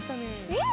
うん！